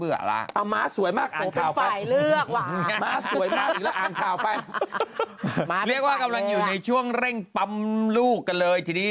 เอามาสวยมากอ่างข่าวพับเรียกว่าเรากำลังอยู่ช่วงเร่งปั๊มลูกกันเลยทีเดียว